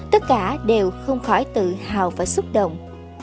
tất cả đều không khỏi tự hào và xúc động